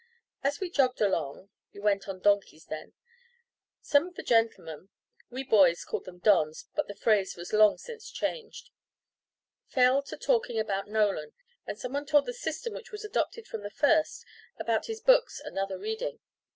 As we jogged along (you went on donkeys then), some of the gentlemen (we boys called them "Dons," but the phrase was long since changed) fell to talking about Nolan, and someone told the system which was adopted from the first about his books and other reading.